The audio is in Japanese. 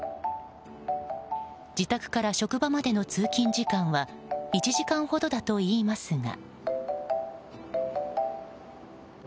自宅から職場までの通勤時間は１時間ほどだといいますが。